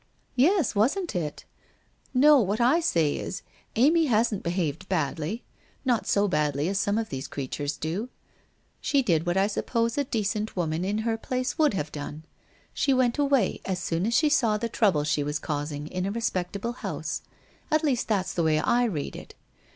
' Yes, wasn't it ? No, what I say is, Amy hasn't be haved badly; not so badly as some of these creatures do. She did what I suppose a decent woman in her place would have done: she went away as soon as she saw the trouble she was causing in a respectable house — at least, that's the way I read it.